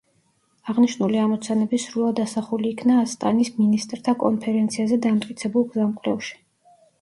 აღნიშნული ამოცანები სრულად ასახული იქნა ასტანის მინისტრთა კონფერენციაზე დამტკიცებულ „გზამკვლევში“.